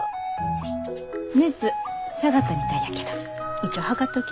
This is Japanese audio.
熱下がったみたいやけど一応測っとき。